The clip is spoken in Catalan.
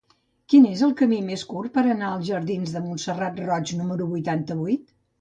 Quin és el camí més curt per anar als jardins de Montserrat Roig número vuitanta-vuit?